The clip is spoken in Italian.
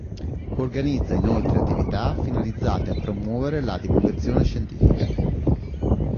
Organizza inoltre attività finalizzate a promuovere la divulgazione scientifica.